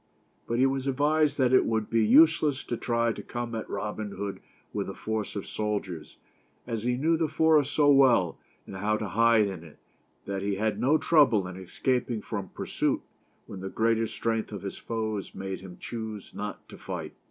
But he was advised that it would 220 THE STORY OF ROBIN HOOD . be useless to try to come at Robin Hood with a force of soldiers, as he knew the forest so well, and how to hide in it, that he had no trouble in escaping from pursuit when the greater strength of his foes made him choose not to fight.